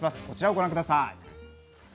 こちらをご覧下さい。